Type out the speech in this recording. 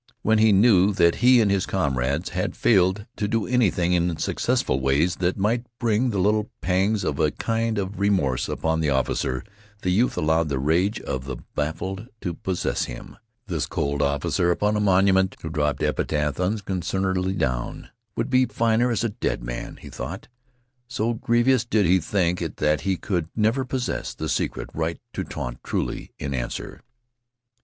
When he knew that he and his comrades had failed to do anything in successful ways that might bring the little pangs of a kind of remorse upon the officer, the youth allowed the rage of the baffled to possess him. This cold officer upon a monument, who dropped epithets unconcernedly down, would be finer as a dead man, he thought. So grievous did he think it that he could never possess the secret right to taunt truly in answer.